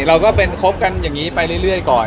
เราก็เป็นคบกันอย่างนี้ไปเรื่อยก่อน